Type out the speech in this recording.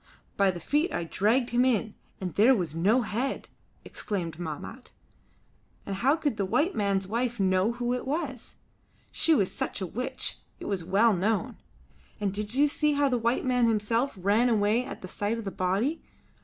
"By the feet I dragged him in, and there was no head," exclaimed Mahmat, "and how could the white man's wife know who it was? She was a witch, it was well known. And did you see how the white man himself ran away at the sight of the body?